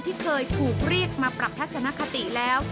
ที่เคยถูกเรียกมาปรับทัศนคติแล้ว